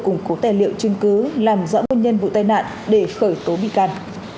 củng cố tài liệu chứng cứ làm rõ nguồn nhân vụ tai nạn để khởi tố bị can